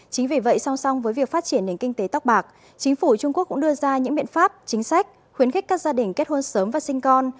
chính vì vậy song song với việc phát triển nền kinh tế tóc bạc chính phủ trung quốc cũng đưa ra những biện pháp chính sách khuyến khích các gia đình kết hôn sớm và sinh con